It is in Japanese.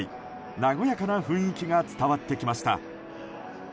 和やかな雰囲気が伝わってきました。